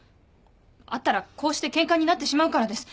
会ったらこうしてケンカになってしまうからです。